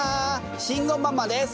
慎吾ママです！